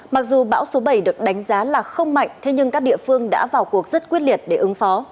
mặc dù bão số bảy được đánh giá là không mạnh thế nhưng các địa phương đã vào cuộc rất quyết liệt để ứng phó